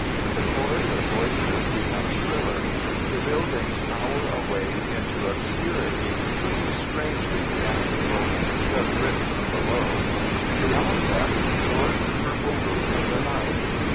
The chorus of voices becomes shriller. The buildings tower away into obscurity, looking strangely theatrical, because lit from below. And beyond them soars the purple roof of the night.